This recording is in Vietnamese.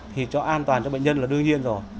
thì cho an toàn cho bệnh nhân là đương nhiên rồi